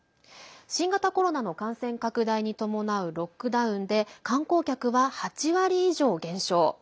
新型コロナの感染拡大に伴うロックダウンで観光客は８割以上減少。